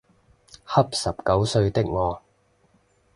恰十九歲的我